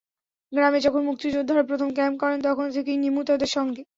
গ্রামে যখন মুক্তিযোদ্ধারা প্রথম ক্যাম্প করেন, তখন থেকেই নিমু তাঁদের সঙ্গে।